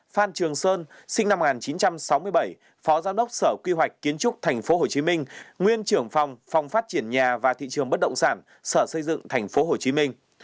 phan trường sơn sinh năm một nghìn chín trăm sáu mươi bảy phó giám đốc sở quy hoạch kiến trúc tp hcm nguyên trưởng phòng phòng phát triển nhà và thị trường bất động sản sở xây dựng tp hcm